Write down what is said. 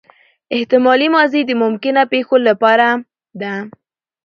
احتمالي ماضي د ممکنه پېښو له پاره ده.